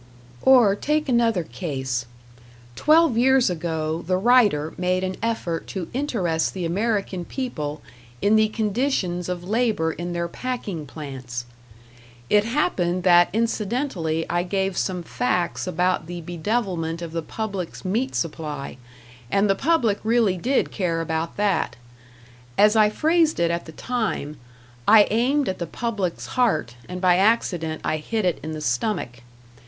Or take another case. Twelve years ago the writer made an effort to interest the American people in the conditions of labor in their packing plants. It happened that incidentally I gave some facts about the bedevilment of the public's meat supply, and the public really did care about that. As I phrased it at the time, I aimed at the public's heart, and by accident I hit it in the stomach.